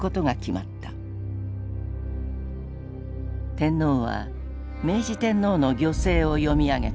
天皇は明治天皇の御製を読み上げた。